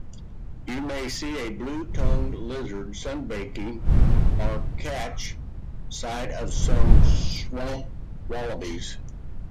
You may see a Blue-tongued lizard sunbaking, or catch sight of some swamp wallabies.